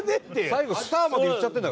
最後「スタ」まで言っちゃってた。